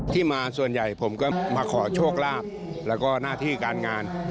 ที่มาส่วนใหญ่ผมก็มาขอโชคลาภแล้วก็หน้าที่การงาน